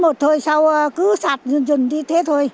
một số hộ dân có nguy cơ